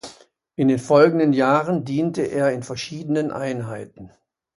In den folgenden Jahren diente er in verschiedenen Einheiten.